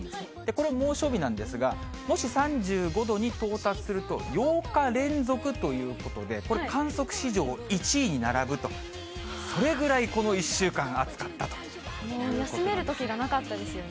これ、猛暑日なんですが、もし３５度に到達すると、８日連続ということで、これ、観測史上１位に並ぶと、それぐらいこの１週間、休めるときがなかったですよ